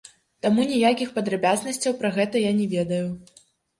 Таму ніякіх падрабязнасцяў пра гэта я не ведаю.